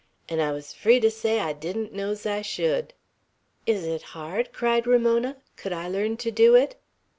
an' I was free to say I didn't know's I should." "Is it hard?" cried Ramona. "Could I learn to do it?"